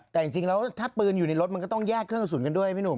แล้วก็ถ้าปืนอยู่ในรถก็ต้องแยกเครื่องสุ่นด้วยมินุม